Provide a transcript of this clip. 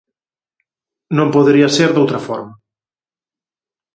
Non podería ser doutra forma.